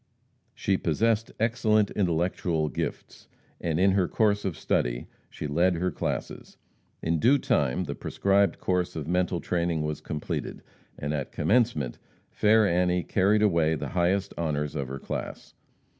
She possessed excellent intellectual gifts, and in her course of study she led her classes. In due time the prescribed course of mental training was completed, and "at commencement," fair Annie carried away the highest honors of her class.